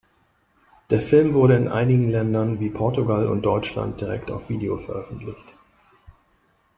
Der Film wurde in einigen Ländern wie Portugal und Deutschland direkt auf Video veröffentlicht.